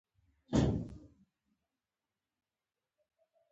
څرک یې ونه لګاوه.